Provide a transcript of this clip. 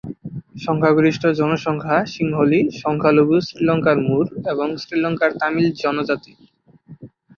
সংখ্যাগরিষ্ঠ জনসংখ্যা সিংহলি, সংখ্যালঘু শ্রীলঙ্কার মুর এবং শ্রীলঙ্কার তামিল জনজাতি।